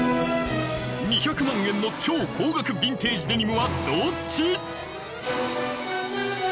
２００万円の超高額ヴィンテージデニムはどっち？